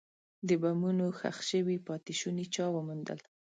د بمونو ښخ شوي پاتې شوني چا وموندل.